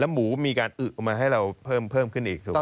หมูมีการอึออกมาให้เราเพิ่มขึ้นอีกถูกไหม